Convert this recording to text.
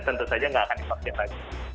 tentu saja nggak akan dipaksin